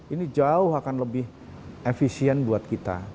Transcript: ini jauh akan lebih efisien buat kita